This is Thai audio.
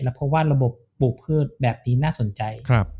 เพราะว่าระบบปลูกพืชแบบนี้น่าสนใจ